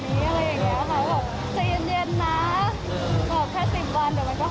แล้วบอกใจเย็นนะบอกแค่สิบวันเดี๋ยวมันก็หายแล้ว